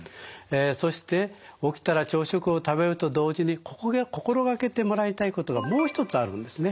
そして起きたら朝食を食べると同時に心掛けてもらいたいことがもう一つあるんですね。